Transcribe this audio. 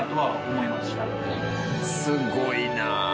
すごいなあ！